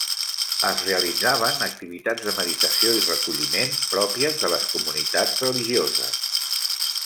Es realitzaven activitats de meditació i recolliment, pròpies de les comunitats religioses.